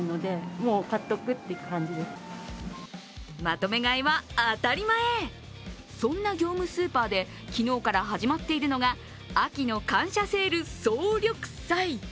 まとめ買いは当たり前、そんな業務スーパーで昨日から始まっているのが秋の感謝セール総力祭。